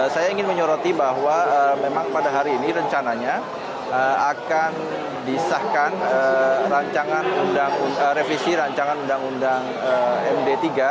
saya ingin menyoroti bahwa memang pada hari ini rencananya akan disahkan rancangan revisi rancangan undang undang md tiga